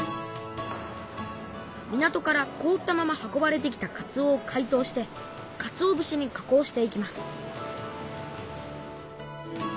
港からこおったまま運ばれてきたかつおをかいとうしてかつお節に加工していきます